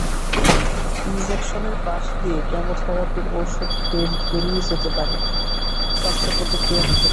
ইনজেকশনের পাশ দিয়ে কেমোথেরাপির ওষুধ বেরিয়ে যেতে পারে, পার্শ্বপ্রতিক্রিয়া হতে পারে।